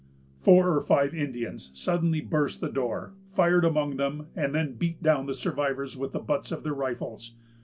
Four or five Indians suddenly burst the door, fired among them, and then beat down the survivors with the butts of their rifles.